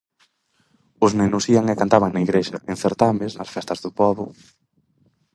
Os nenos ían e cantaban na igrexa, en certames, nas festas do pobo...